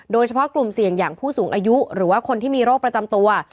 โดยเฉพาะกลุ่มเสี่ยงอย่างผู้สูงอายุหรือว่าคนที่มีโรคประจำตัว